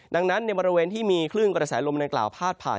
ดังนั้นในบริเวณที่มีคลื่นกระแสลมดังกล่าวพาดผ่าน